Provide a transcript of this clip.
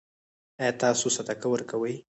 ایا تاسو صدقه ورکوئ؟